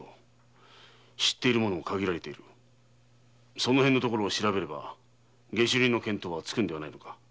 そのへんを調べれば下手人の見当はつくのではないか？